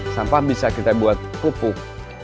sampah bisa kita buat pupuk